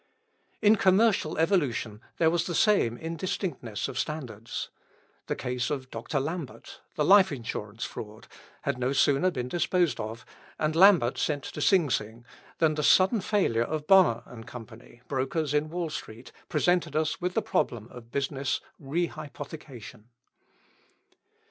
In commercial evolution there was the same indistinctness of standards. The case of Dr. Lambert the Life Insurance fraud had no sooner been disposed of, and Lambert sent to Sing Sing, than the sudden failure of Bonner & Co., brokers in Wall Street, presented us with the problem of business "rehypothecation."